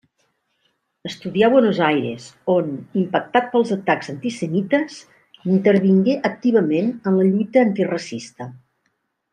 Estudià a Buenos Aires on, impactat pels atacs antisemites, intervingué activament en la lluita antiracista.